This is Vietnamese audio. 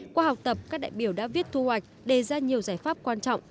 qua học tập các đại biểu đã viết thu hoạch đề ra nhiều giải pháp quan trọng